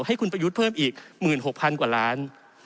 ให้คุณประยุทธ์เพิ่มอีก๑๖๐๐๐กว่าล้าน